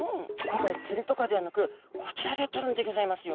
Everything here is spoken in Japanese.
今回つりとかではなくこちらで取るんでギョざいますよ。